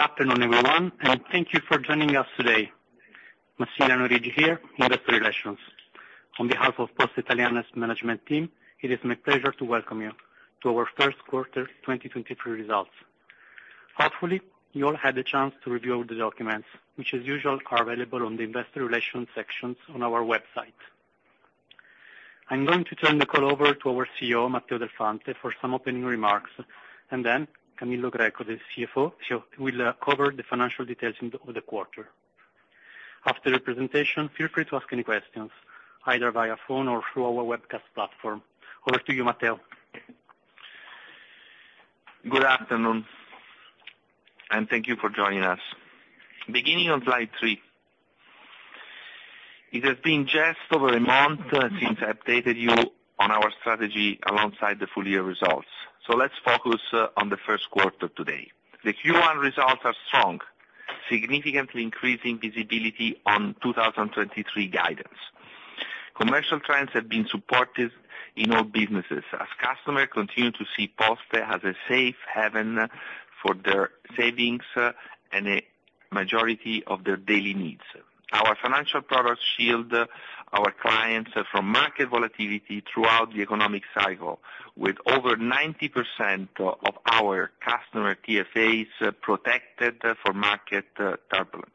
Good afternoon, everyone. Thank you for joining us today. Massimiliano Riggi here, Investor Relations. On behalf of Poste Italiane's management team, it is my pleasure to welcome you to our first quarter 2023 results. Hopefully, you all had the chance to review the documents, which as usual, are available on the Investor Relations sections on our website. I'm going to turn the call over to our CEO, Matteo Del Fante, for some opening remarks. Then Camillo Greco, the CFO, he'll cover the financial details of the quarter. After the presentation, feel free to ask any questions, either via phone or through our webcast platform. Over to you, Matteo. Good afternoon, thank you for joining us. Beginning on slide three. It has been just over a month since I updated you on our strategy alongside the full year results. Let's focus on the first quarter today. The Q1 results are strong, significantly increasing visibility on 2023 guidance. Commercial trends have been supportive in all businesses, as customers continue to see Poste as a safe haven for their savings and a majority of their daily needs. Our financial products shield our clients from market volatility throughout the economic cycle, with over 90% of our customer TFAs protected for market turbulence.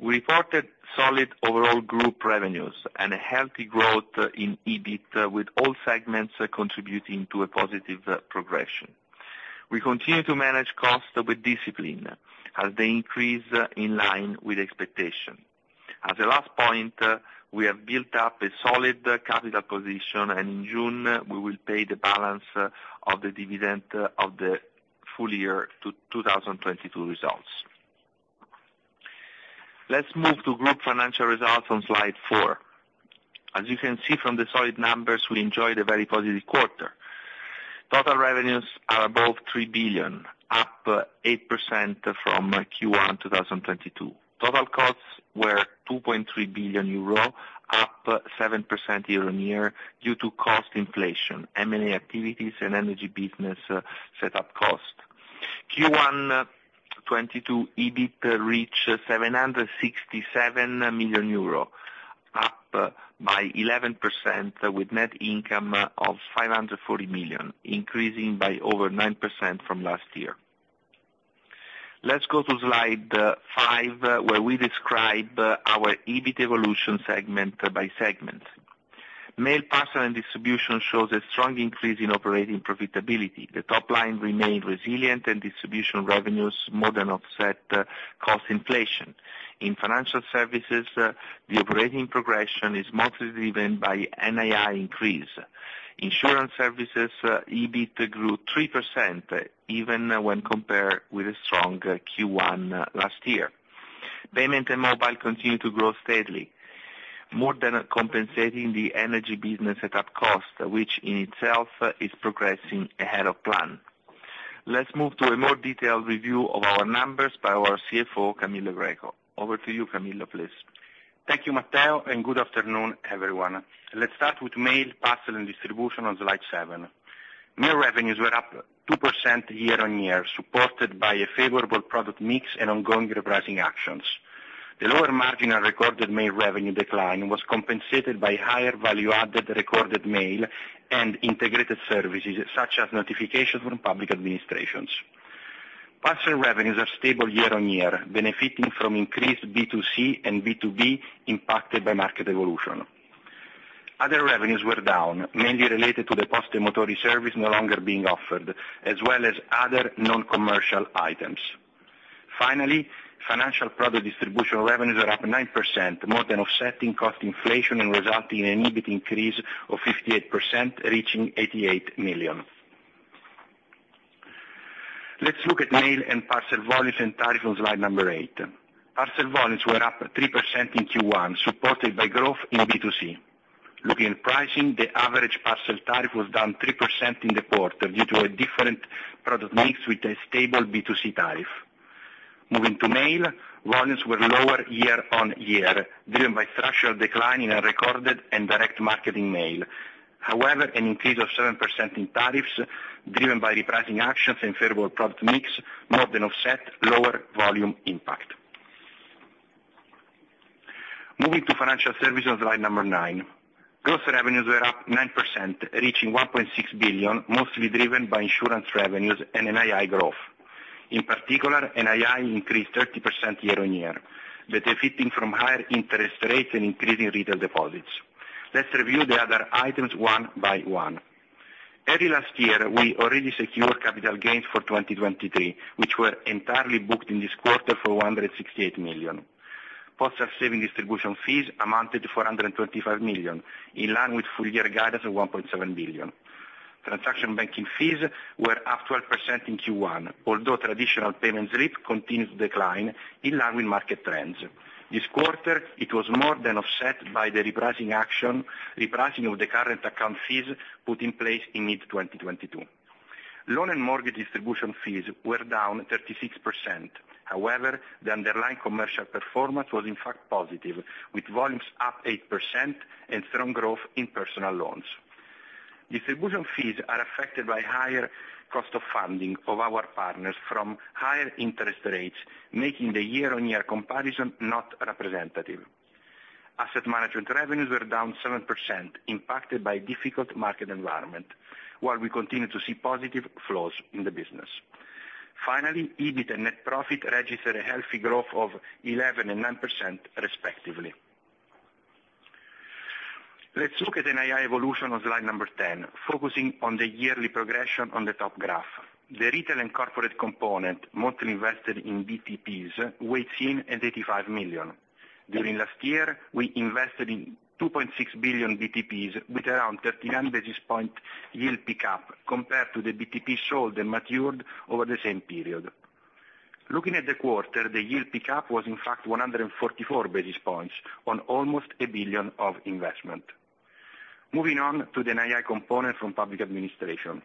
We reported solid overall group revenues and a healthy growth in EBIT, with all segments contributing to a positive progression. We continue to manage costs with discipline as they increase in line with expectation. A last point, we have built up a solid capital position, in June, we will pay the balance of the dividend of the full year to 2022 results. Let's move to group financial results on slide four. You can see from the solid numbers, we enjoyed a very positive quarter. Total revenues are above 3 billion, up 8% from Q1 2022. Total costs were 2.3 billion euro, up 7% year-on-year due to cost inflation, M&A activities and energy business set up cost. Q1 2022 EBIT reached 767 million euro, up by 11% with net income of 540 million, increasing by over 9% from last year. Let's go to slide five, where we describe our EBIT evolution segment by segment. Mail, Parcel and Distribution shows a strong increase in operating profitability. The top line remained resilient and distribution revenues more than offset cost inflation. In financial services, the operating progression is mostly driven by NII increase. Insurance services, EBIT grew 3%, even when compared with a strong Q1 last year. Payment and mobile continued to grow steadily, more than compensating the energy business set up cost, which in itself is progressing ahead of plan. Let's move to a more detailed review of our numbers by our CFO, Camillo Greco. Over to you, Camillo, please. Thank you, Matteo. Good afternoon, everyone. Let's start with Mail, Parcel and Distribution on slide seven. Mail revenues were up 2% year-over-year, supported by a favorable product mix and ongoing repricing actions. The lower margin on recorded mail revenue decline was compensated by higher value-added recorded mail and integrated services, such as notification from public administrations. Parcel revenues are stable year-over-year, benefiting from increased B2C and B2B impacted by market evolution. Other revenues were down, mainly related to the PosteMotori service no longer being offered, as well as other non-commercial items. Financial product distribution revenues are up 9%, more than offsetting cost inflation and resulting in an EBIT increase of 58%, reaching 88 million. Let's look at mail and parcel volumes and tariff on slide number eight. Parcel volumes were up 3% in Q1, supported by growth in B2C. Looking at pricing, the average parcel tariff was down 3% in the quarter due to a different product mix with a stable B2C tariff. Moving to mail, volumes were lower year-on-year, driven by structural decline in unrecorded and direct marketing mail. An increase of 7% in tariffs, driven by repricing actions and favorable product mix, more than offset lower volume impact. Moving to financial services on slide number nine. Gross revenues were up 9%, reaching 1.6 billion, mostly driven by insurance revenues and NII growth. In particular, NII increased 30% year-on-year, benefiting from higher interest rates and increasing retail deposits. Let's review the other items one by one. Early last year, we already secured capital gains for 2023, which were entirely booked in this quarter for 168 million. Postal saving distribution fees amounted to 425 million, in line with full year guidance of 1.7 billion. Transaction banking fees were up 12% in Q1, although traditional payments rate continued to decline in line with market trends. This quarter, it was more than offset by the repricing of the current account fees put in place in mid-2022. Loan and mortgage distribution fees were down 36%. However, the underlying commercial performance was in fact positive, with volumes up 8% and strong growth in personal loans. Distribution fees are affected by higher cost of funding of our partners from higher interest rates, making the year-on-year comparison not representative. Asset management revenues are down 7% impacted by difficult market environment, while we continue to see positive flows in the business. Finally, EBIT and net profit registered a healthy growth of 11% and 9% respectively. Let's look at NII evolution on slide number 10, focusing on the yearly progression on the top graph. The retail and corporate component mostly invested in BTPs weighs in at 85 million. During last year, we invested in 2.6 billion BTPs with around 39 basis point yield pickup compared to the BTP sold and matured over the same period. Looking at the quarter, the yield pickup was in fact 144 basis points on almost 1 billion of investment. Moving on to the NII component from public administration.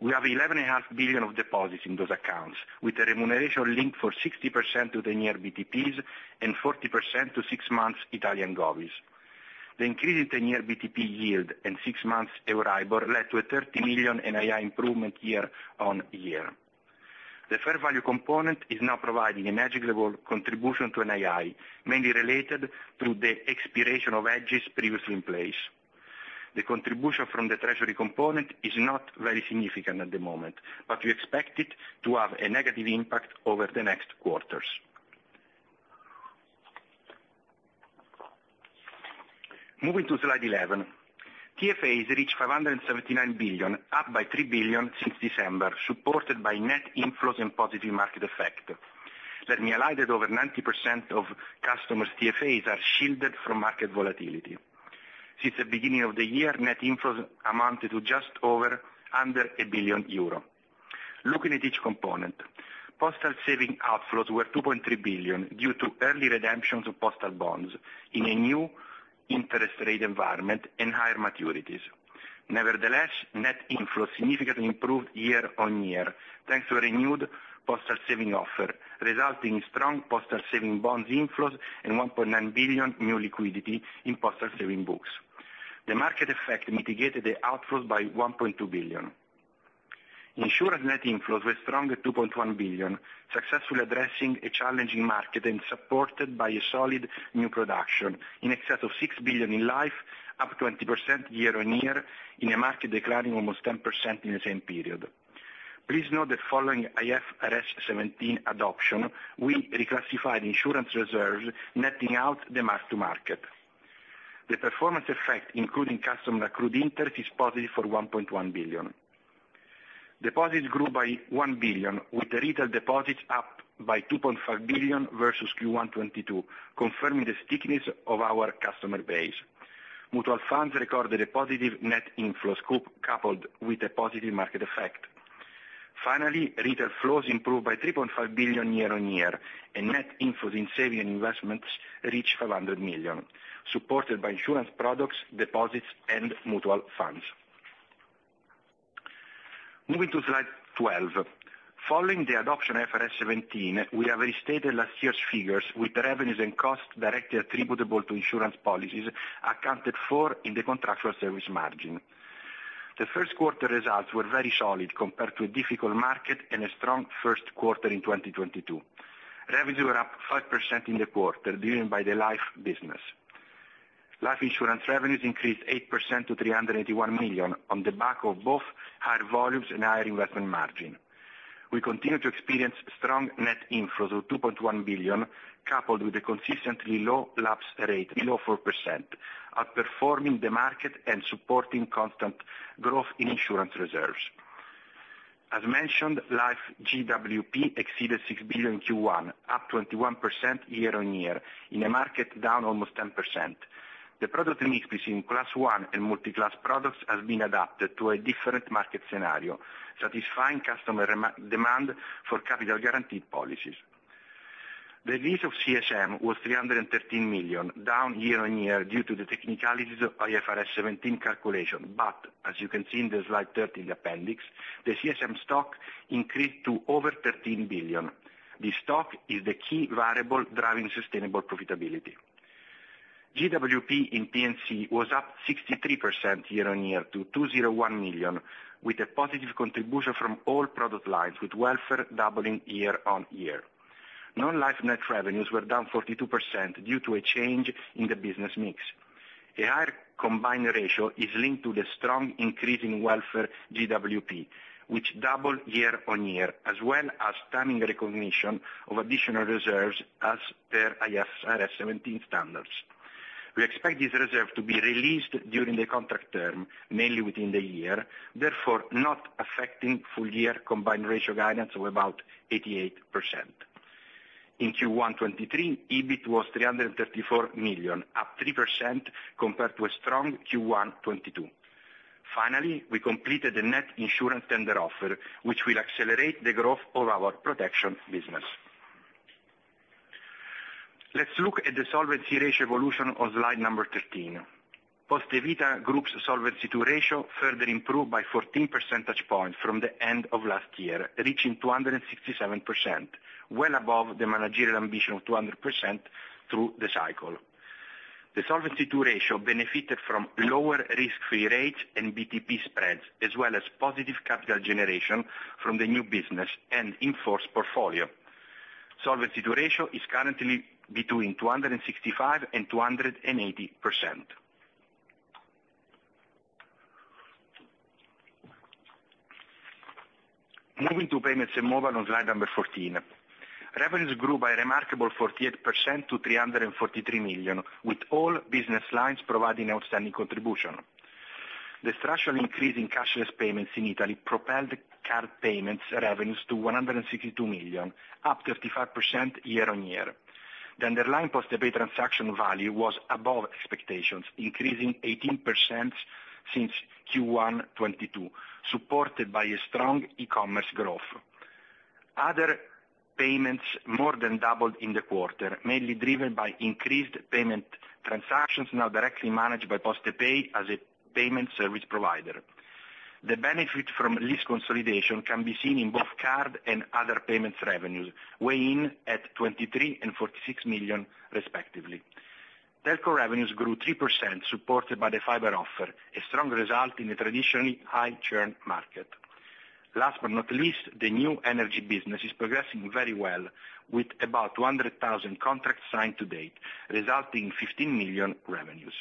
We have 11.5 billion of deposits in those accounts, with a remuneration linked for 60% to the near BTPs and 40% to six months Italian govvs. The increase in 10-year BTP yield and six months Euribor led to a 30 million NII improvement year-over-year. The fair value component is now providing a negligible contribution to NII, mainly related to the expiration of hedges previously in place. The contribution from the treasury component is not very significant at the moment, but we expect it to have a negative impact over the next quarters. Moving to slide 11. TFAs reached 579 billion, up by 3 billion since December, supported by net inflows and positive market effect. Let me highlight that over 90% of customers TFAs are shielded from market volatility. Since the beginning of the year, net inflows amounted to just over under 1 billion euro. Looking at each component, postal saving outflows were 2.3 billion due to early redemptions of postal bonds in a new interest rate environment and higher maturities. Nevertheless, net inflows significantly improved year-on-year, thanks to a renewed postal saving offer, resulting in strong postal saving bonds inflows and 1.9 billion new liquidity in postal saving books. The market effect mitigated the outflows by 1.2 billion. Insurance net inflows were strong at 2.1 billion, successfully addressing a challenging market and supported by a solid new production in excess of 6 billion in life, up 20% year-on-year in a market declining almost 10% in the same period. Please note that following IFRS 17 adoption, we reclassified insurance reserves netting out the mark-to-market. The performance effect, including custom accrued interest, is positive for 1.1 billion. Deposits grew by 1 billion, with the retail deposits up by 2.5 billion versus Q1 2022, confirming the stickiness of our customer base. Mutual funds recorded a positive net inflows scoop coupled with a positive market effect. Retail flows improved by 3.5 billion year-over-year, and net inflows in saving investments reached 500 million, supported by insurance products, deposits, and mutual funds. Moving to slide 12. Following the adoption of IFRS 17, we have restated last year's figures with revenues and costs directly attributable to insurance policies accounted for in the Contractual Service Margin. The first quarter results were very solid compared to a difficult market and a strong first quarter in 2022. Revenue were up 5% in the quarter, driven by the life business. Life insurance revenues increased 8% to 381 million on the back of both higher volumes and higher investment margin. We continue to experience strong net inflows of 2.1 billion, coupled with a consistently low Lapse Rate below 4%, outperforming the market and supporting constant growth in insurance reserves. As mentioned, life GWP exceeded 6 billion Q1, up 21% year-on-year in a market down almost 10%. The product mix between Class I and multiclass products has been adapted to a different market scenario, satisfying customer demand for capital guaranteed policies. The release of CSM was 313 million, down year-on-year due to the technicalities of IFRS 17 calculation. As you can see in the slide 30 in the appendix, the CSM stock increased to over 13 billion. This stock is the key variable driving sustainable profitability. GWP in P&C was up 63% year-over-year to 201 million, with a positive contribution from all product lines, with welfare doubling year-over-year. Non-life net revenues were down 42% due to a change in the business mix. A higher Combined Ratio is linked to the strong increase in welfare GWP, which doubled year-over-year, as well as timing recognition of additional reserves as per IFRS 17 standards. We expect this reserve to be released during the contract term, mainly within the year, therefore not affecting full year Combined Ratio guidance of about 88%. In Q1 2023, EBIT was 334 million, up 3% compared to a strong Q1 2022. We completed the Net Insurance tender offer, which will accelerate the growth of our protection business. Let's look at the solvency ratio evolution on slide number 13. Poste Vita Group's Solvency II ratio further improved by 14 percentage points from the end of last year, reaching 267%, well above the managerial ambition of 200% through the cycle. The Solvency II ratio benefited from lower risk-free rates and BTP spreads, as well as positive capital generation from the new business and in-force portfolio. Solvency II ratio is currently between 265% and 280%. Moving to payments and mobile on slide number 14. Revenues grew by a remarkable 48% to 343 million, with all business lines providing outstanding contribution. The structural increase in cashless payments in Italy propelled the card payments revenues to 162 million, up 35% year-on-year. The underlying Postepay transaction value was above expectations, increasing 18% since Q1 2022, supported by a strong e-commerce growth. Other payments more than doubled in the quarter, mainly driven by increased payment transactions now directly managed by Postepay as a payment service provider. The benefit from LIS consolidation can be seen in both card and other payments revenues, weighing at 23 million and 46 million respectively. Telco revenues grew 3% supported by the fiber offer, a strong result in a traditionally high churn market. Last but not least, the new energy business is progressing very well with about 200,000 contracts signed to date, resulting 15 million revenues.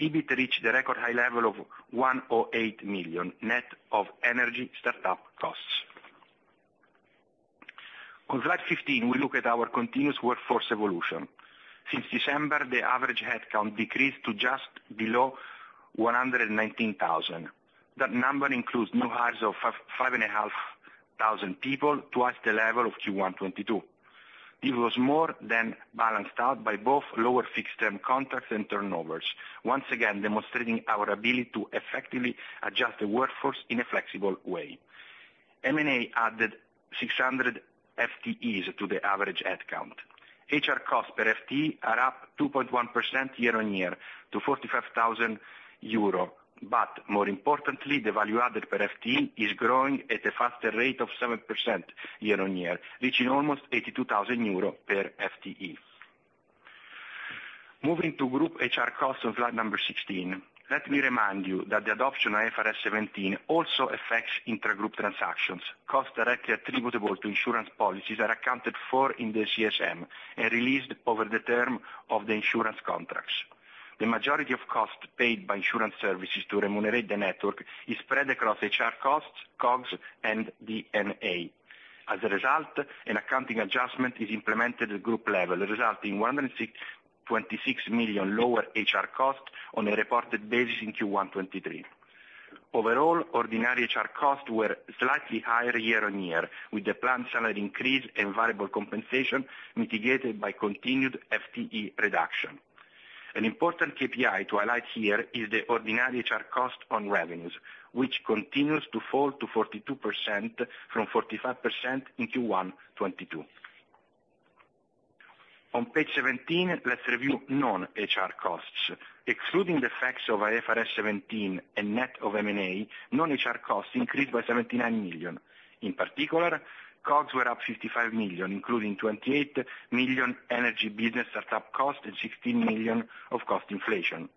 EBIT reached a record high level of 108 million, net of energy startup costs. On slide 15, we look at our continuous workforce evolution. Since December, the average headcount decreased to just below 119,000. That number includes new hires of 5,500 people, twice the level of Q1 2022. It was more than balanced out by both lower fixed term contracts and turnovers, once again demonstrating our ability to effectively adjust the workforce in a flexible way. M&A added 600 FTEs to the average headcount. HR costs per FTE are up 2.1% year-on-year to 45,000 euro. More importantly, the value added per FTE is growing at a faster rate of 7% year-on-year, reaching almost EUR 82,000 per FTE. Moving to group HR costs on slide number 16. Let me remind you that the adoption of IFRS 17 also affects intra-group transactions. Costs directly attributable to insurance policies are accounted for in the CSM and released over the term of the insurance contracts. The majority of costs paid by insurance services to remunerate the network is spread across HR costs, COGS and D&A. A result, an accounting adjustment is implemented at group level, resulting 26 million lower HR costs on a reported basis in Q1 2023. Ordinary HR costs were slightly higher year-on-year, with the planned salary increase and variable compensation mitigated by continued FTE reduction. An important KPI to highlight here is the ordinary HR cost on revenues, which continues to fall to 42% from 45% in Q1 2022. On page 17, let's review non-HR costs. Excluding the effects of IFRS 17 and net of M&A, non-HR costs increased by 79 million. COGS were up 55 million, including 28 million energy business setup costs and 16 million of cost inflation.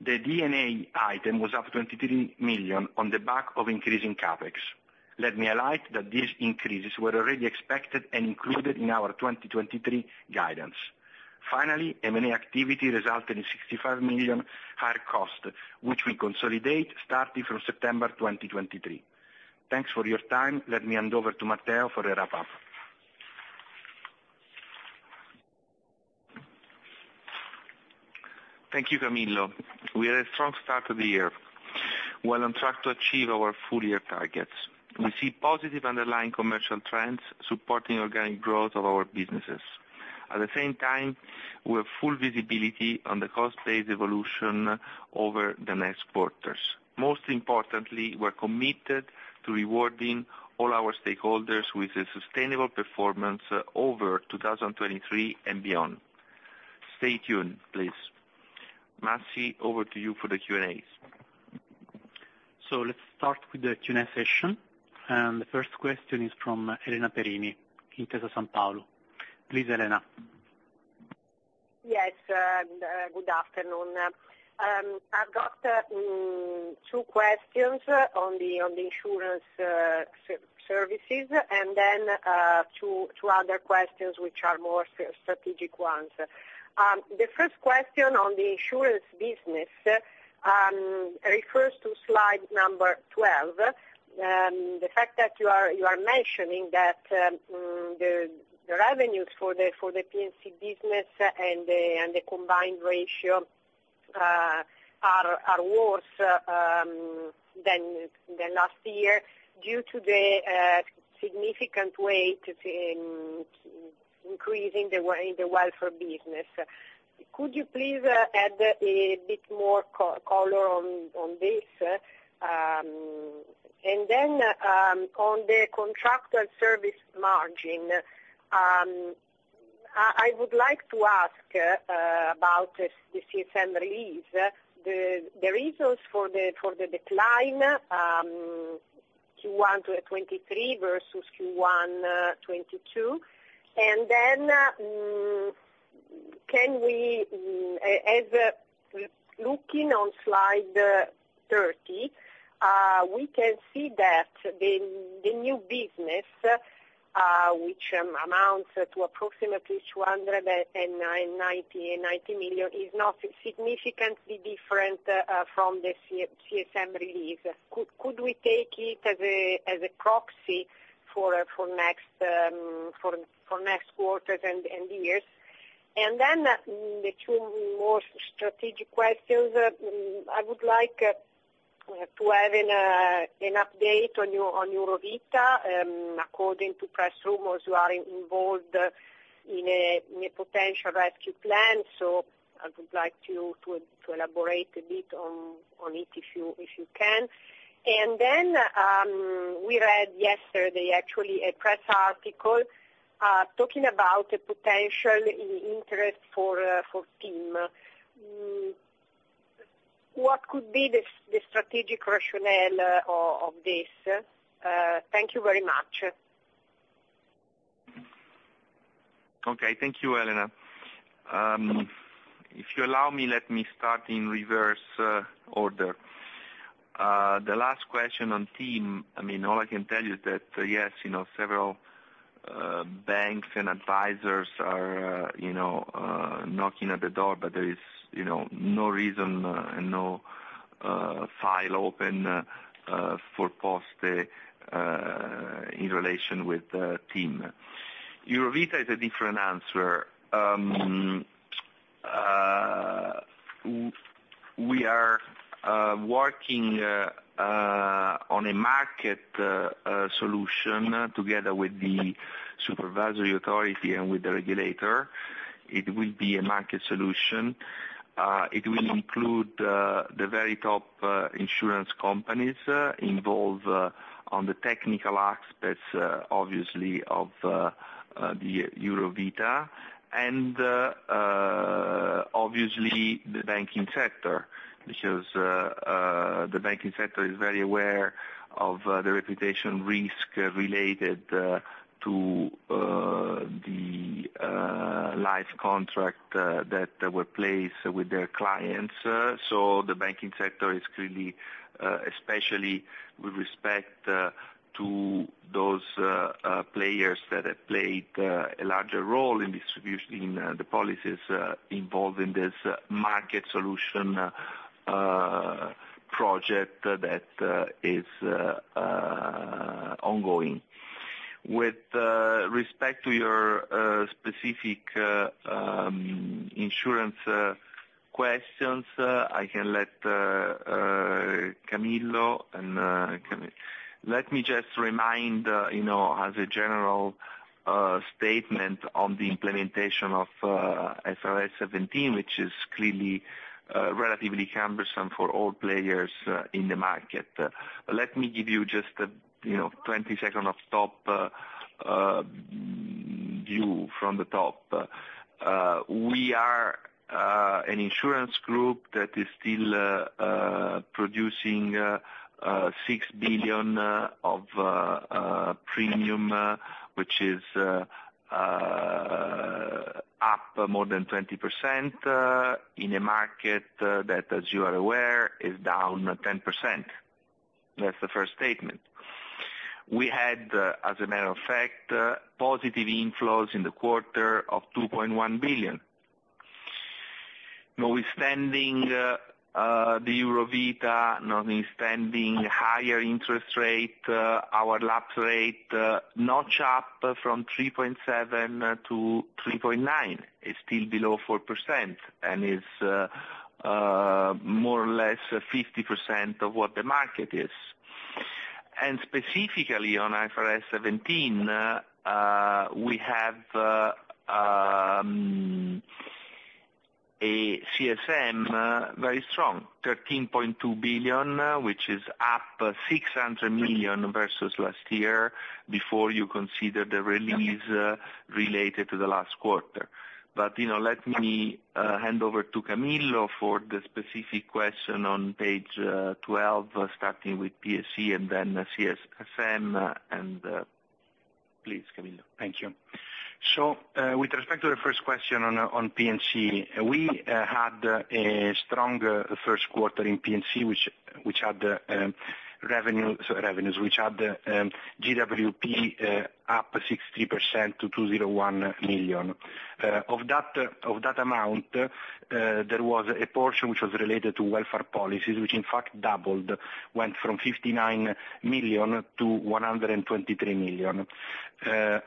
The D&A item was up 23 million on the back of increasing CapEx. Let me highlight that these increases were already expected and included in our 2023 guidance. M&A activity resulted in 65 million higher costs, which we consolidate starting from September 2023. Thanks for your time. Let me hand over to Matteo for the wrap-up. Thank you, Camillo. We had a strong start to the year. We're on track to achieve our full year targets. We see positive underlying commercial trends supporting organic growth of our businesses. At the same time, we have full visibility on the cost base evolution over the next quarters. Most importantly, we're committed to rewarding all our stakeholders with a sustainable performance over 2023 and beyond. Stay tuned, please. Massi, over to you for the Q&As. Let's start with the Q&A session. The first question is from Elena Perini, Intesa Sanpaolo. Please, Elena. Yes. Good afternoon. I've got two questions on the insurance services, and then two other questions which are more strategic ones. The first question on the insurance business refers to slide number 12. The fact that you are mentioning that the revenues for the P&C business and the Combined Ratio are worse than last year due to the significant weight in increasing the welfare business. Could you please add a bit more color on this? On the Contractual Service Margin, I would like to ask about the CSM release, the reasons for the decline, Q1 to 2023 versus Q1 2022. Can we as a looking on slide 30, we can see that the new business which amounts to approximately 290 million is not significantly different from the CSM release. Could we take it as a proxy for next for next quarters and years? The two more strategic questions I would like to have an update on Eurovita. According to press rumors, you are involved in a potential rescue plan. I would like you to elaborate a bit on it if you can. We read yesterday actually a press article talking about a potential interest for TIM. What could be the strategic rationale of this? Thank you very much. Okay. Thank you, Elena. If you allow me, let me start in reverse order. The last question on TIM, I mean all I can tell you is that yes, you know, several banks and advisors are, you know, knocking at the door, but there is, you know, no reason and no file open for Poste in relation with TIM. Eurovita is a different answer. We are working on a market solution together with the supervisory authority and with the regulator. It will be a market solution. It will include, the very top, insurance companies, involved, on the technical aspects, obviously of, the Eurovita and, obviously the banking sector, because, the banking sector is very aware of, the reputation risk related, to the life contract, that were placed with their clients. So the banking sector is clearly, especially with respect, to those, players that have played, a larger role in distribution in, the policies, involved in this market solution, project that, is ongoing. With respect to your specific insurance questions, I can let Camillo and Let me just remind, you know, as a general statement on the implementation of IFRS 17, which is clearly relatively cumbersome for all players in the market. Let me give you just a, you know, 20 second of top view from the top. We are an insurance group that is still producing EUR 6 billion of premium, which is up more than 20% in a market that as you are aware, is down 10%. That's the first statement. We had, as a matter of fact, positive inflows in the quarter of 2.1 billion. Notwithstanding the Eurovita, notwithstanding higher interest rate, our Lapse Rate notch up from 3.7 to 3.9. It's still below 4% and is more or less 50% of what the market is. Specifically on IFRS 17, we have a CSM very strong, 13.2 billion, which is up 600 million versus last year before you consider the release related to the last quarter. You know, let me hand over to Camillo for the specific question on page 12, starting with P&C and then CSM, and please, Camillo. Thank you. With respect to the first question on P&C, we had a stronger first quarter in P&C, which had revenues, which had GWP up 60% to 201 million. Of that amount, there was a portion which was related to welfare policies, which in fact doubled, went from 59 million-123 million.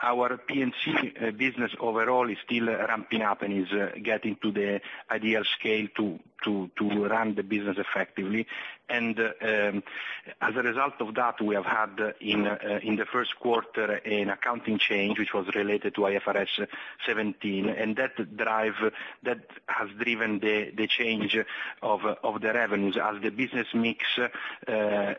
Our P&C business overall is still ramping up and is getting to the ideal scale to run the business effectively. As a result of that, we have had in the first quarter an accounting change, which was related to IFRS 17, and that drive... that has driven the change of the revenues as the business mix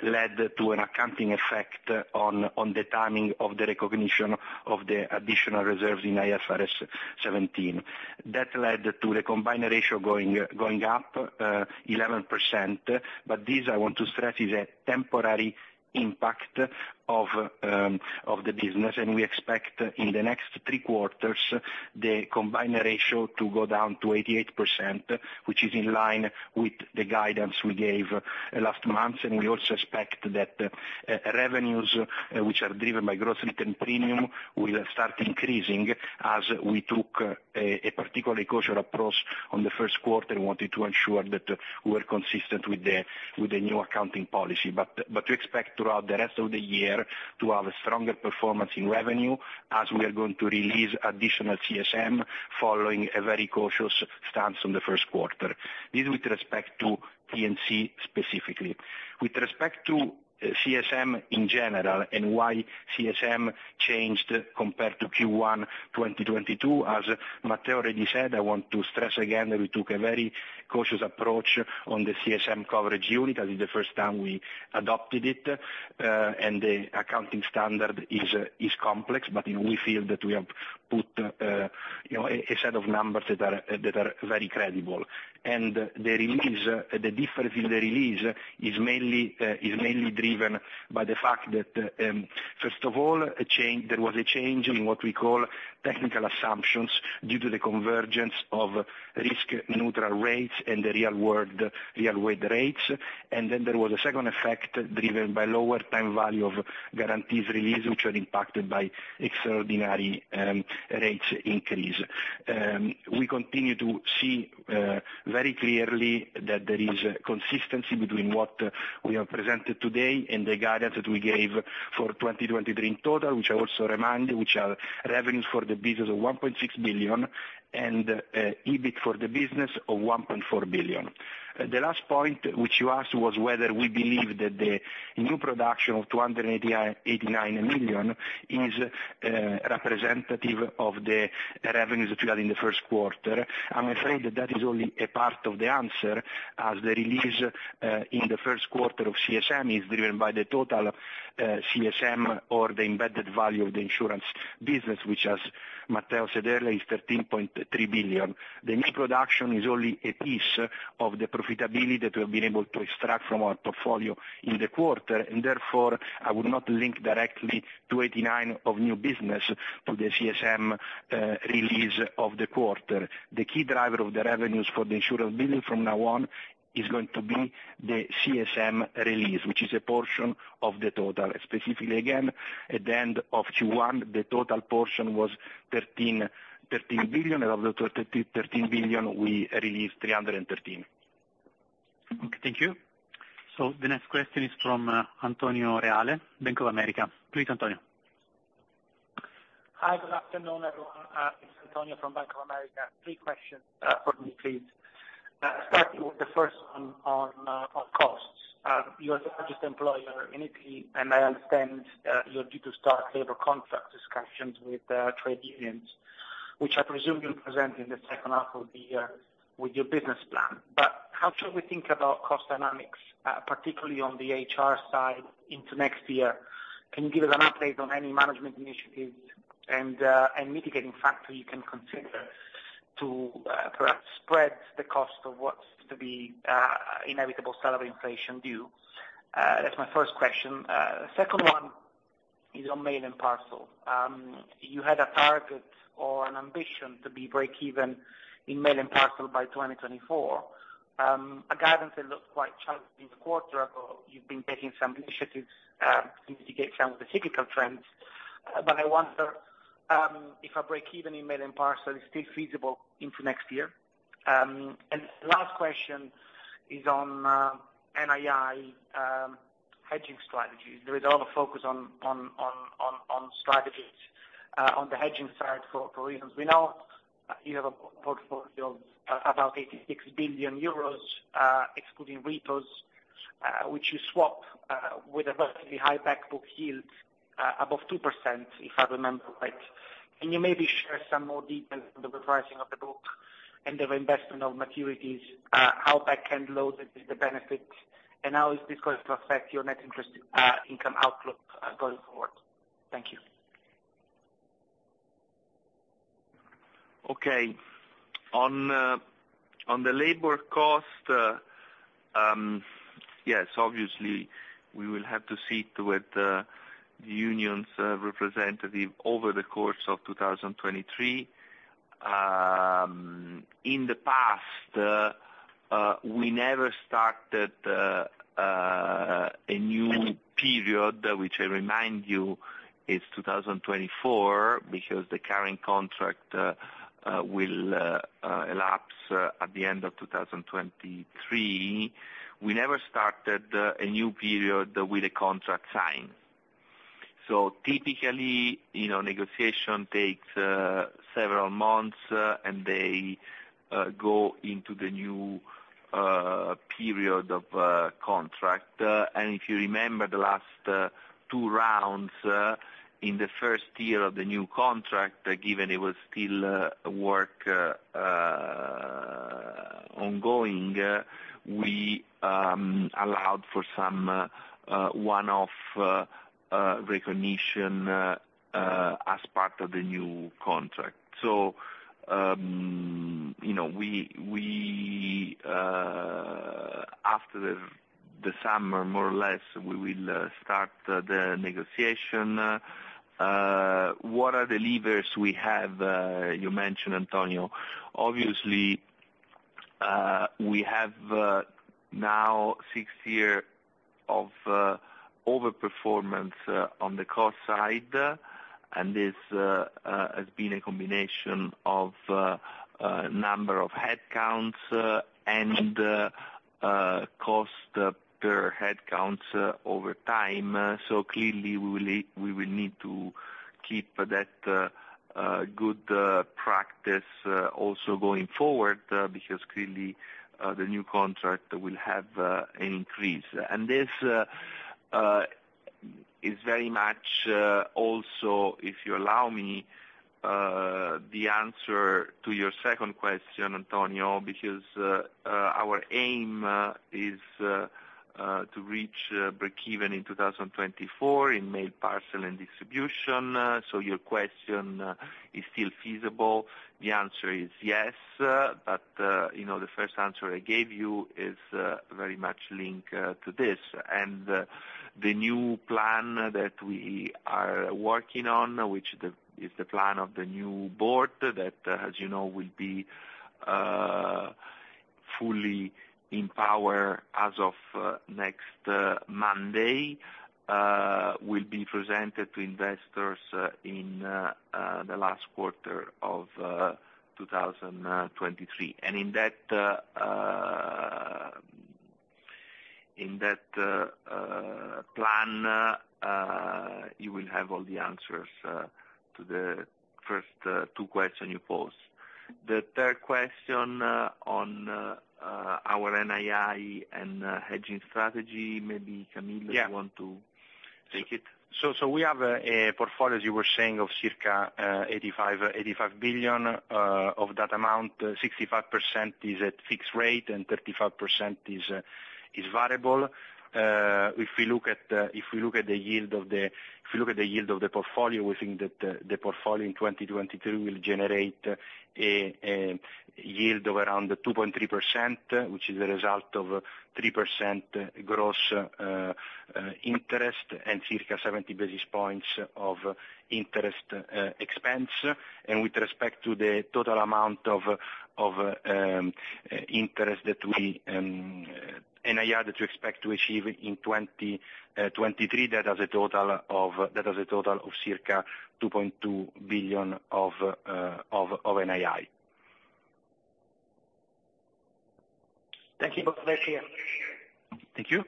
led to an accounting effect on the timing of the recognition of the additional reserves in IFRS 17. That led to the Combined Ratio going up 11%. This I want to stress is a temporary impact of the business. We expect in the next three quarters, the Combined Ratio to go down to 88%, which is in line with the guidance we gave last month. We also expect that revenues which are driven by gross written premium will start increasing as we took a particularly cautious approach on the first quarter, we wanted to ensure that we're consistent with the new accounting policy. We expect throughout the rest of the year to have a stronger performance in revenue, as we are going to release additional CSM following a very cautious stance on the first quarter. This with respect to P&C specifically. Respect to CSM in general and why CSM changed compared to Q1 2022, as Matteo already said, I want to stress again that we took a very cautious approach on the CSM Coverage Unit, as it's the first time we adopted it, and the accounting standard is complex, but, you know, we feel that we have put a set of numbers that are very credible. The release, the difference in the release is mainly driven by the fact that, first of all, a change... There was a change in what we call technical assumptions due to the convergence of risk neutral rates and the real world, real-world rates. There was a second effect driven by lower time value of guarantees release, which were impacted by extraordinary rates increase. We continue to see very clearly that there is consistency between what we have presented today and the guidance that we gave for 2023 in total, which I also remind you, which are revenues for the business of 1.6 billion and EBIT for the business of 1.4 billion. The last point which you asked was whether we believe that the new production of 288 9 million is representative of the revenues that we had in the first quarter. I'm afraid that that is only a part of the answer, as the release in the first quarter of CSM is driven by the total CSM or the embedded value of the insurance business, which as Matteo said earlier, is 13.3 billion. The new production is only a piece of the profitability that we have been able to extract from our portfolio in the quarter, and therefore, I would not link directly to 89 of new business to the CSM release of the quarter. The key driver of the revenues for the insurance business from now on is going to be the CSM release, which is a portion of the total. Specifically again, at the end of Q1, the total portion was 13 billion. Of the 13 billion, we released 313. Okay, thank you. The next question is from Antonio Reale, Bank of America. Please, Antonio. Hi, good afternoon, everyone, it's Antonio from Bank of America. Three questions for me, please. Starting with the first one on costs. You are the largest employer in Italy, I understand you're due to start labor contract discussions with the trade unions, which I presume you'll present in the second half of the year with your business plan. How should we think about cost dynamics, particularly on the HR side into next year? Can you give us an update on any management initiatives and mitigating factor you can consider to perhaps spread the cost of what's to be inevitable salary inflation due? That's my first question. Second one is on Mail and Parcel. You had a target or an ambition to be break even in Mail and Parcel by 2024. A guidance that looked quite challenging this quarter, you've been taking some initiatives to mitigate some of the cyclical trends. I wonder if a break even in Mail and Parcel is still feasible into next year. Last question is on NII hedging strategies. There is a lot of focus on strategies on the hedging side for reasons we know. You have a portfolio of about 86 billion euros, excluding repos, which you swap with a relatively high back book yield above 2%, if I remember right. Can you maybe share some more details on the repricing of the book and the reinvestment of maturities? How back-end loaded is the benefit, and how is this going to affect your net interest income outlook going forward? Thank you. On the labor cost, yes, obviously we will have to sit with the unions' representative over the course of 2023. In the past, we never started a new period, which I remind you is 2024. Because the current contract will elapse at the end of 2023, we never started a new period with a contract signed. Typically, you know, negotiation takes several months, and they go into the new period of contract. If you remember the last two rounds, in the first year of the new contract, given it was still work ongoing, we allowed for some one-off recognition as part of the new contract. You know, we after the summer, more or less, we will start the negotiation. What are the levers we have? You mentioned, Antonio. Obviously, we have now six year of overperformance on the cost side, and this has been a combination of number of headcounts and cost per headcounts over time. Clearly we will need to keep that good practice also going forward, because clearly the new contract will have an increase. This is very much also, if you allow me, the answer to your second question, Antonio, because our aim is to reach breakeven in 2024 in Mail, Parcel and Distribution. Your question is still feasible. The answer is yes. You know, the first answer I gave you is very much linked to this. The new plan that we are working on, which is the plan of the new board that, as you know, will be fully in power as of next Monday, will be presented to investors in the last quarter of 2023. In that, in that plan, you will have all the answers to the first two questions you posed. The 3rd question on our NII and hedging strategy, maybe, Camillo, do you want to take it? We have a portfolio, you were saying, of circa 85 billion. Of that amount, 65% is at fixed rate and 35% is variable. If we look at the yield of the, if you look at the yield of the portfolio, we think that the portfolio in 2023 will generate a yield of around 2.3%, which is a result of 3% gross interest and circa 70 basis points of interest expense. With respect to the total amount of interest that we NII that we expect to achieve in 2023, that has a total of circa 2.2 billion of NII. Thank you both. Thank you. Thank you.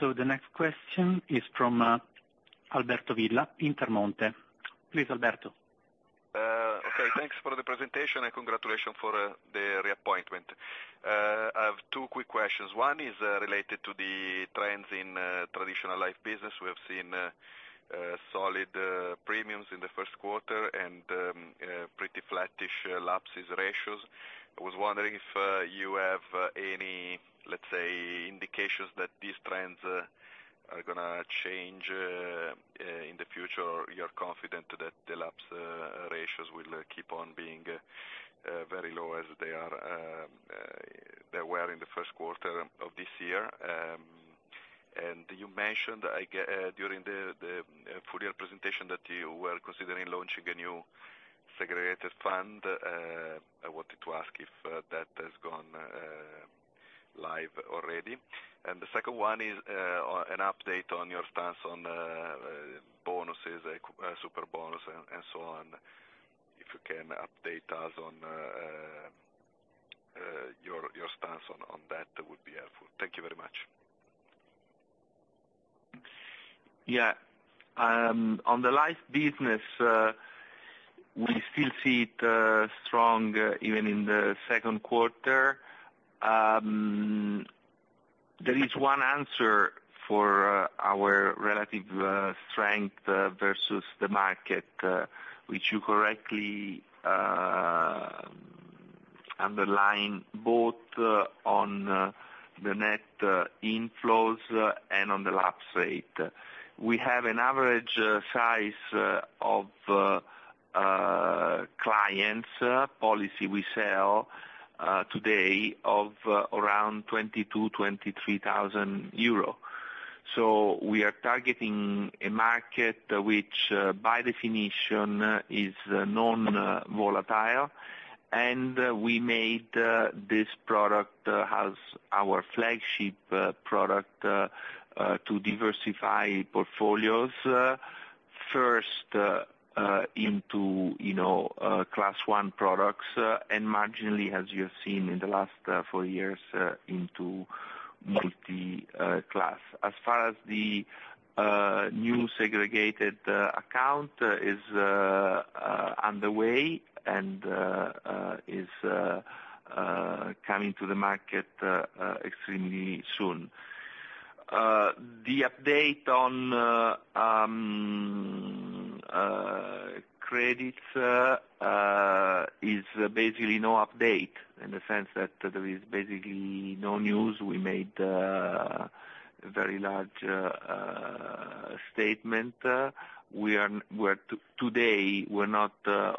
The next question is from Alberto Villa, Intermonte. Please, Alberto. Okay. Thanks for the presentation. Congratulations for the reappointment. I have two quick questions. One is related to the trends in traditional life business. We have seen solid premiums in the first quarter and pretty flattish lapse ratios. I was wondering if you have any, let's say, indications that these trends are gonna change in the future, or you're confident that the lapse ratios will keep on being very low as they are they were in the first quarter of this year. You mentioned during the full year presentation that you were considering launching a new segregated fund. I wanted to ask if that has gone live already. The second one is an update on your stance on bonuses, Superbonus, and so on. If you can update us on your stance on that would be helpful. Thank you very much. On the life business, we still see it strong even in the second quarter. There is one answer for our relative strength versus the market, which you correctly underline both on the net inflows and on the Lapse Rate. We have an average size of clients policy we sell today of around 22,000-23,000 euro. We are targeting a market which, by definition, is non-volatile. We made this product as our flagship product to diversify portfolios, first, into, you know, Class I products, and marginally as you have seen in the last four years, into multiclass. As far as the new segregated account is underway and is coming to the market extremely soon. The update on credits is basically no update in the sense that there is basically no news. We made very large statement. Today, we're not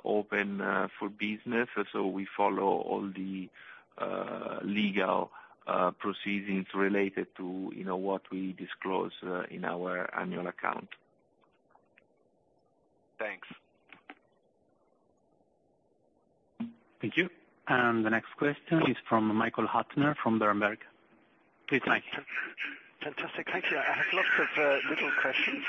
open for business, so we follow all the legal proceedings related to, you know, what we disclose in our annual account. Thanks. Thank you. The next question is from Michael Huttner from Berenberg. Please, Michael. Fantastic. Thank you. I have lots of little questions.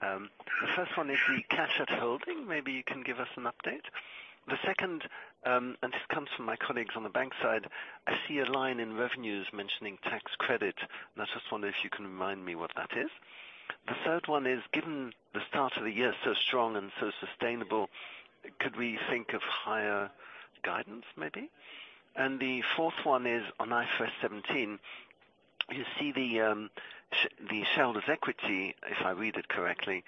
The first one is the cash at holding. Maybe you can give us an update. The second, and this comes from my colleagues on the bank side. I see a line in revenues mentioning tax credit, and I just wonder if you can remind me what that is. The third one is, given the start of the year, so strong and so sustainable, could we think of higher guidance, maybe? The fourth one is on IFRS 17, you see the shareholders equity, if I read it correctly,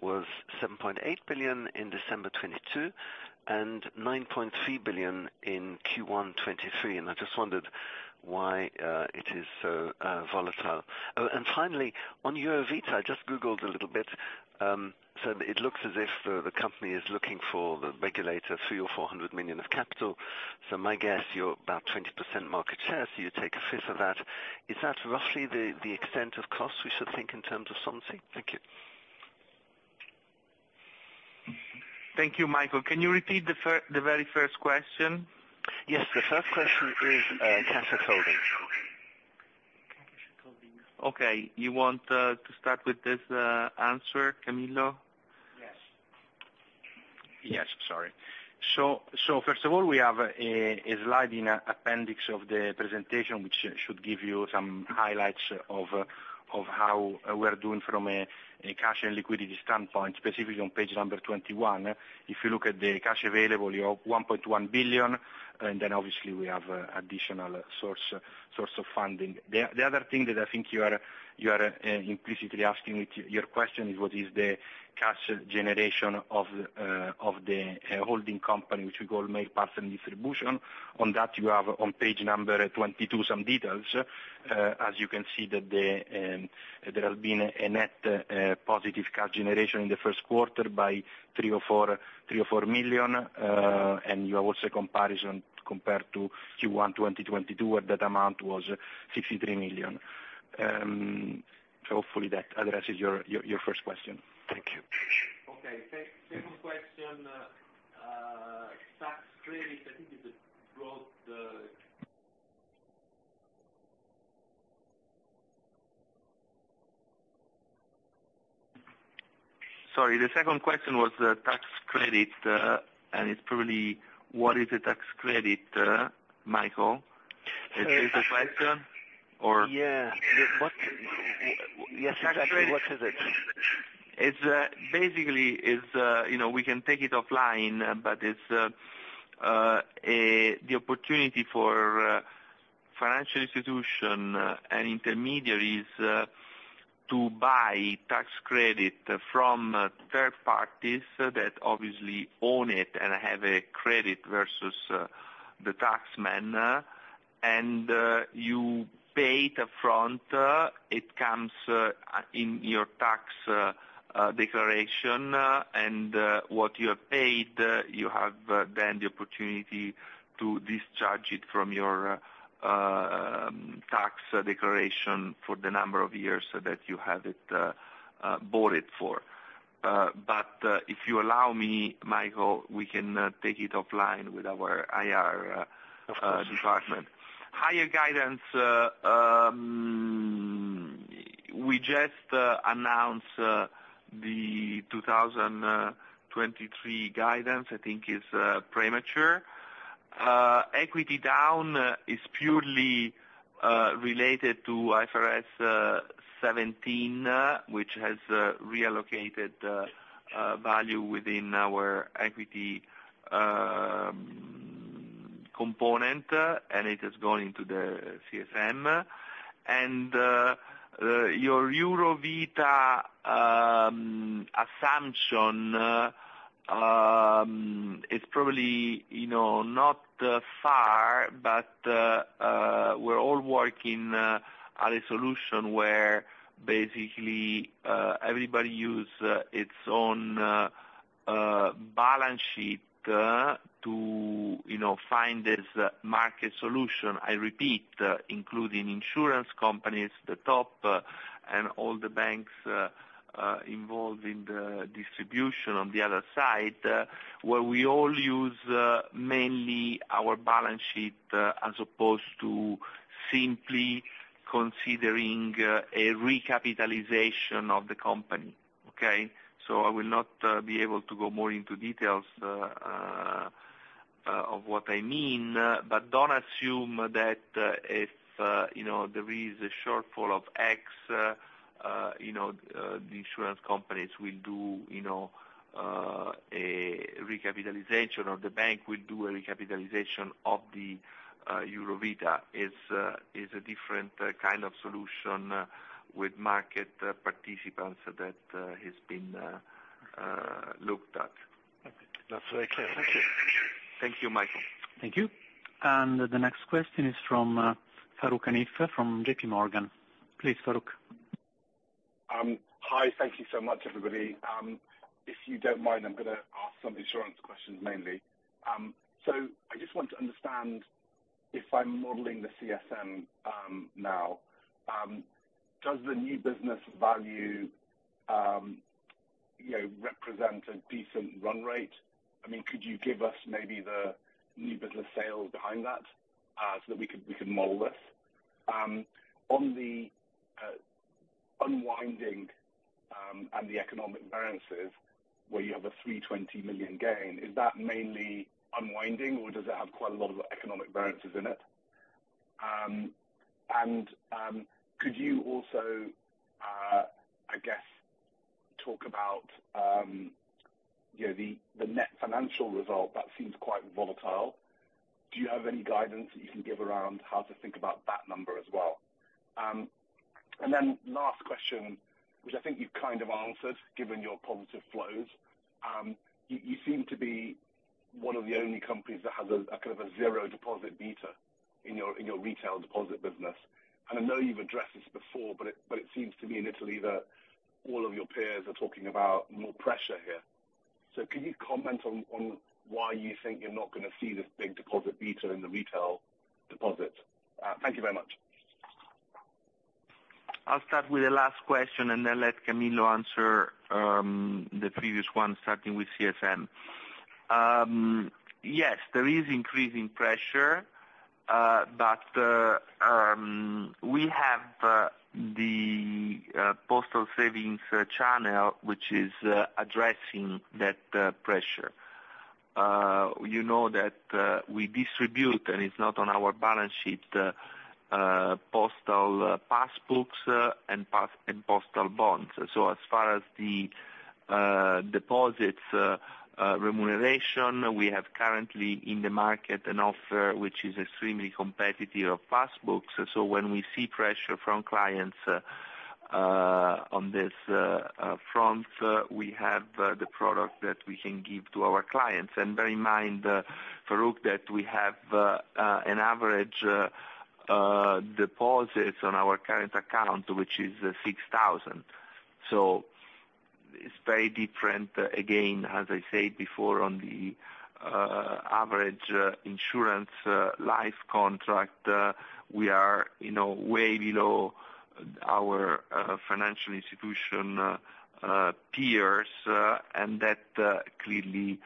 was 7.8 billion in December 2022, and 9.3 billion in Q1 2023, and I just wondered why it is so volatile. Finally, on Eurovita, I just googled a little bit, it looks as if the company is looking for the regulator 300 million-400 million of capital. My guess, you're about 20% market share, you take 1/5 of that. Is that roughly the extent of costs we should think in terms of something? Thank you. Thank you, Michael. Can you repeat the very first question? Yes. The first question is, cash at holding. Okay. You want to start with this answer, Camillo? Yes. Yes. Sorry. First of all, we have a slide in appendix of the presentation, which should give you some highlights of how we're doing from a cash and liquidity standpoint, specifically on page number 21. If you look at the cash available, you have 1.1 billion, then obviously we have additional source of funding. The other thing that I think you are implicitly asking with your question is what is the cash generation of the holding company, which we call Mail, Parcel and Distribution. On that you have on page number 22 some details. As you can see that there has been a net positive cash generation in the first quarter by 3 or 4 million. You have also comparison compared to Q1 2022, where that amount was 63 million. Hopefully that addresses your first question. Thank you. Okay, second question, tax credit. I think you just wrote the... Sorry. The second question was tax credit. It's probably what is the tax credit, Michael? Is this the question or? Yeah. What? Yes, exactly. What is it? It's basically is, you know, we can take it offline, but it's the opportunity for financial institution and intermediaries to buy tax credit from third parties that obviously own it and have a credit versus the tax man. You pay it up front, it comes in your tax declaration, and what you have paid, you have then the opportunity to discharge it from your tax declaration for the number of years so that you have it bought it for. If you allow me, Michael, we can take it offline with our IR department. Higher guidance, we just announced the 2023 guidance, I think is premature. Equity down is purely related to IFRS 17, which has reallocated value within our equity component, and it has gone into the CSM. Your Eurovita assumption is probably, you know, not far, but we're all working at a solution where basically everybody use its own balance sheet to, you know, find this market solution. I repeat, including insurance companies, the top, and all the banks involved in the distribution on the other side, where we all use mainly our balance sheet as opposed to simply considering a recapitalization of the company, okay? I will not be able to go more into details of what I mean, but don't assume that if you know, there is a shortfall of X, you know, the insurance companies will do, you know, a recapitalization or the bank will do a recapitalization of the Eurovita. It's a different kind of solution with market participants that has been looked at. Okay. That's very clear. Thank you. Thank you, Michael. Thank you. The next question is from Farooq Hanif from JP Morgan. Please, Farooq. Hi. Thank you so much, everybody. If you don't mind, I'm gonna ask some insurance questions mainly. I just want to understand if I'm modeling the CSM now, does the new business value, you know, represent a decent run rate? I mean, could you give us maybe the new business sales behind that, so that we can model this? On the unwinding and the economic balances where you have a 320 million gain, is that mainly unwinding, or does it have quite a lot of economic balances in it? Could you also, I guess, talk about, you know, the net financial result that seems quite volatile. Do you have any guidance that you can give around how to think about that number as well? Last question, which I think you've kind of answered, given your positive flows, you seem to be one of the only companies that has a kind of a zero Deposit Beta in your retail deposit business. I know you've addressed this before, but it seems to me in Italy that all of your peers are talking about more pressure here. Can you comment on why you think you're not gonna see this big Deposit Beta in the retail deposit? Thank you very much. I'll start with the last question and then let Camillo answer the previous one, starting with CSM. Yes, there is increasing pressure, but we have the postal savings channel, which is addressing that pressure. You know that we distribute, and it's not on our balance sheet, postal pass books and postal bonds. As far as the deposits remuneration, we have currently in the market an offer which is extremely competitive of pass books. Bear in mind, Farooq, that we have an average deposits on our current account, which is 6,000. It's very different, again, as I said before, on the average insurance life contract, we are, you know, way below our financial institution peers, and that clearly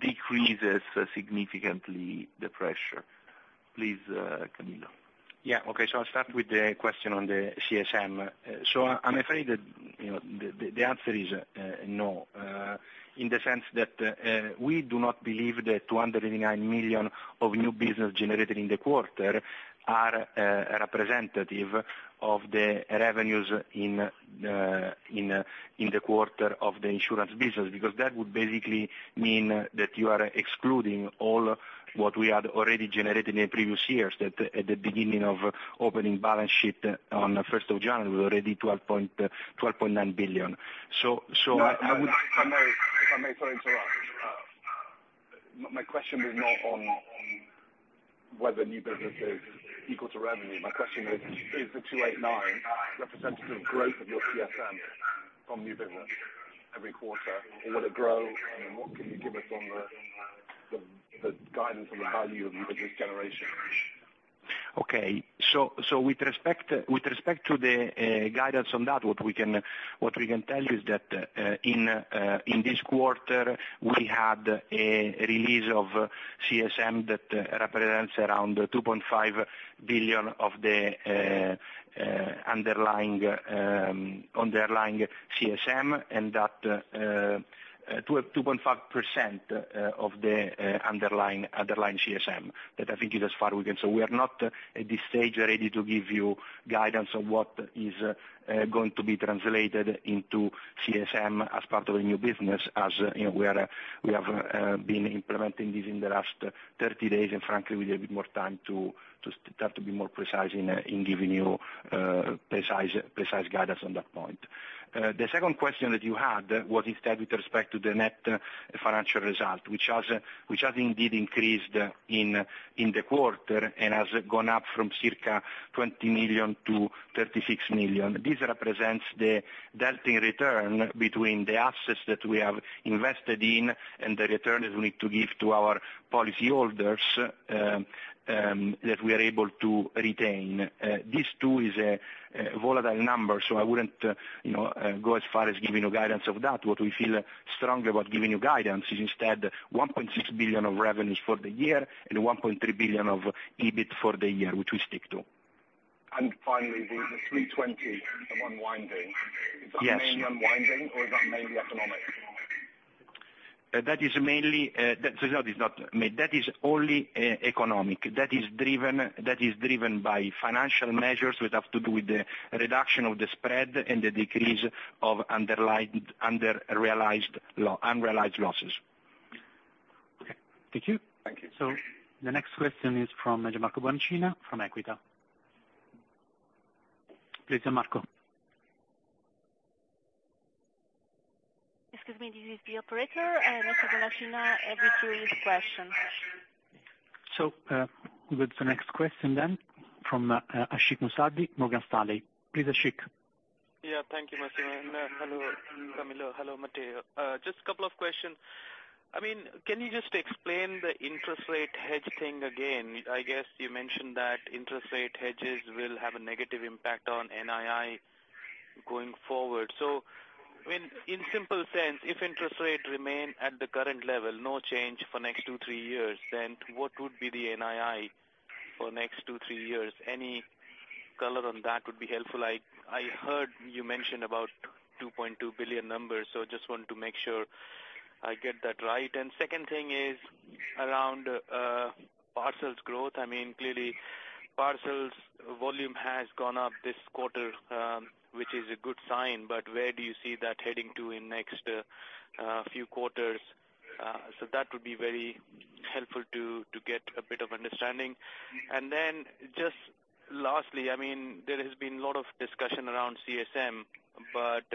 decreases significantly the pressure. Please, Camillo. Yeah. Okay. I'll start with the question on the CSM. I'm afraid that, you know, the answer is no, in the sense that we do not believe that 289 million of new business generated in the quarter are representative of the revenues in the quarter of the insurance business, because that would basically mean that you are excluding all what we had already generated in the previous years, that at the beginning of opening balance sheet on the 1st of January, we were already 12.9 billion. If I may, sorry to interrupt. My question was not on whether new business is equal to revenue. My question is the 289 representative growth of your CSM from new business every quarter, or will it grow? What can you give us on the guidance on the value of new business generation? Okay. With respect to the guidance on that, what we can tell you is that in this quarter, we had a release of CSM that represents around 2.5 billion of the underlying CSM, and that 2.5% of the underlying CSM. That I think is as far we can... We are not at this stage ready to give you guidance on what is going to be translated into CSM as part of the new business as, you know, we are, we have been implementing this in the last 30 days, and frankly, we need more time to start to be more precise in giving you precise guidance on that point. The second question that you had was instead with respect to the net financial result, which has indeed increased in the quarter and has gone up from circa 20 million-36 million. This represents the delta in return between the assets that we have invested in and the return that we need to give to our policyholders that we are able to retain. This too is a volatile number, so I wouldn't, you know, go as far as giving you guidance of that. What we feel strongly about giving you guidance is instead 1.6 billion of revenues for the year and 1.3 billion of EBIT for the year, which we'll stick to. Finally, the 320 unwind thing. Yes. Is that mainly unwinding or is that mainly economic? That is mainly, that result is only economic. That is driven by financial measures which have to do with the reduction of the spread and the decrease of underlying unrealized losses. Okay. Thank you. Thank you. The next question is from Gianmarco Bonacina from Equita. Please, Gianmarco. Excuse me. This is the operator. Mr. Bonacina had withdrew his question. With the next question from Ashik Musaddi, Morgan Stanley. Please, Ashik. Yeah. Thank you, Massimiliano. Hello, Camillo, hello, Matteo. Just a couple of questions. I mean, can you just explain the interest rate hedge thing again? I guess you mentioned that interest rate hedges will have a negative impact on NII going forward. When, in simple sense, if interest rate remain at the current level, no change for next two, three years, then what would be the NII for next two, three years? Any color on that would be helpful. I heard you mention about 2.2 billion numbers, just want to make sure I get that right. Second thing is around parcels growth. I mean, clearly parcels volume has gone up this quarter, which is a good sign, but where do you see that heading to in next few quarters? That would be very helpful to get a bit of understanding. Just lastly, I mean, there has been lot of discussion around CSM, but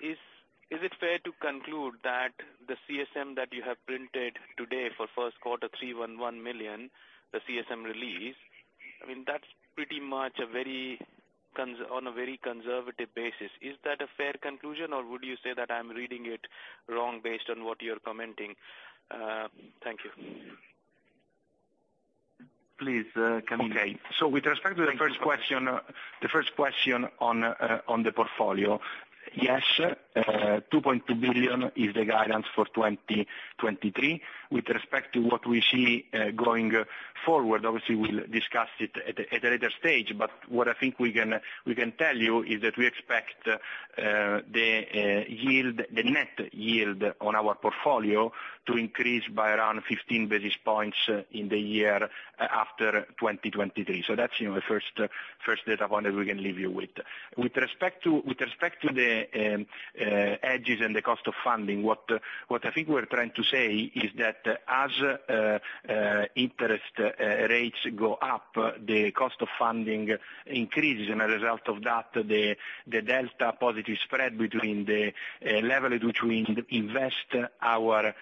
is it fair to conclude that the CSM that you have printed today for first quarter, 311 million, the CSM release, I mean, that's pretty much on a very conservative basis? Is that a fair conclusion or would you say that I'm reading it wrong based on what you're commenting? Thank you. Please, Camillo. Okay. With respect to the first question on the portfolio, yes, 2.2 billion is the guidance for 2023. With respect to what we see going forward, obviously we'll discuss it at a later stage, but what I think we can tell you is that we expect the yield, the net yield on our portfolio to increase by around 15 basis points in the year after 2023. That's, you know, the first data point that we can leave you with. With respect to the hedges and the cost of funding, what I think we're trying to say is that as interest rates go up, the cost of funding increases, and a result of that, the delta positive spread between the level at which we invest our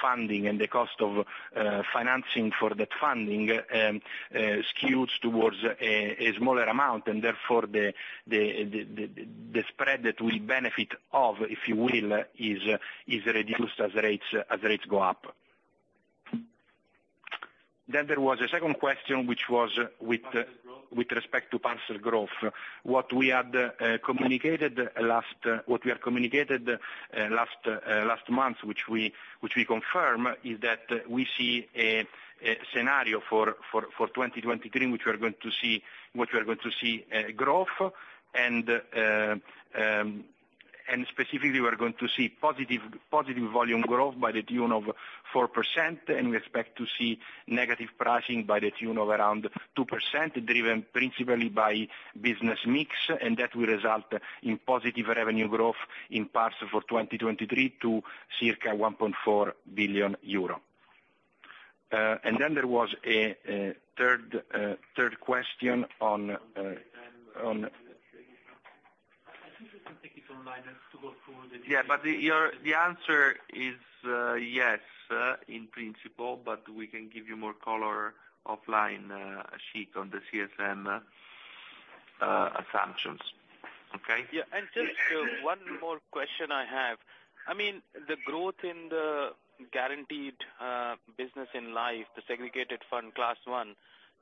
funding and the cost of financing for that funding skews towards a smaller amount and therefore the spread that we benefit of, if you will, is reduced as rates go up. There was a second question, which was. Parcel growth. With respect to parcel growth. What we had communicated last month, which we confirm, is that we see a scenario for 2023 in which we are going to see growth and specifically we are going to see positive volume growth by the tune of 4%, and we expect to see negative pricing by the tune of around 2%, driven principally by business mix, and that will result in positive revenue growth in parcel for 2023 to circa 1.4 billion euro. There was a third question on. I think we can take this online as to go through the. Yeah, the answer is yes, in principle, but we can give you more color offline, Ashik, on the CSM assumptions. Okay? Yeah. Just one more question I have. I mean, the growth in the guaranteed business in life, the segregated fund Class I,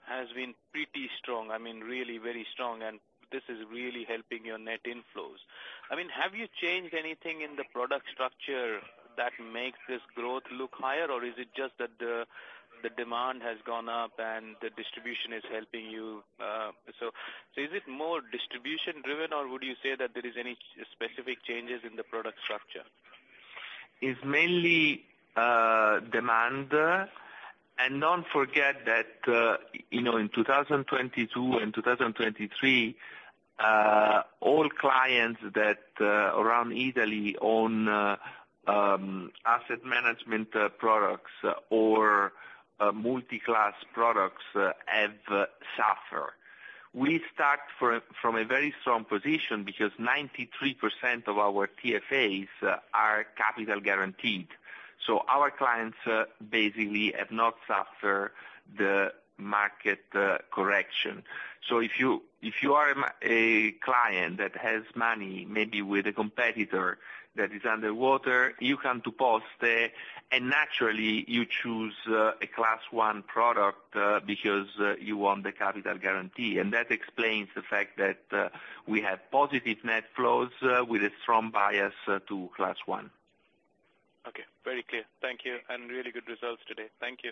has been pretty strong. I mean, really very strong, and this is really helping your net inflows. I mean, have you changed anything in the product structure that makes this growth look higher or is it just that the demand has gone up and the distribution is helping you? Is it more distribution driven or would you say that there is any specific changes in the product structure? It's mainly demand. Don't forget that, you know, in 2022 and 2023, all clients that around Italy own asset management products or multiclass products have suffered. We start from a very strong position because 93% of our TFAs are capital guaranteed. Our clients basically have not suffered the market correction. If you are a client that has money, maybe with a competitor that is underwater, you come to Post and naturally you choose a Class I product because you want the capital guarantee. That explains the fact that we have positive net flows with a strong bias to Class I. Okay. Very clear. Thank you. Really good results today. Thank you.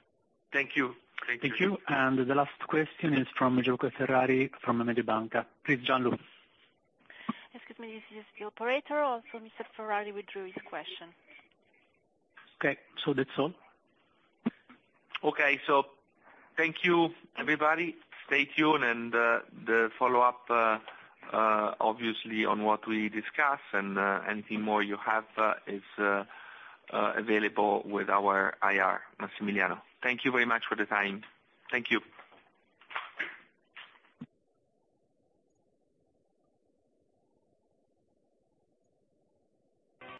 Thank you. Thank you. Thank you. The last question is from Gianluca Ferrari from Mediobanca. Please, Gianluca. Excuse me. This is the operator. Mr. Ferrari withdrew his question. Okay. That's all. Okay. Thank you, everybody. Stay tuned and the follow up obviously on what we discussed and anything more you have is available with our IR, Massimiliano. Thank you very much for the time. Thank you.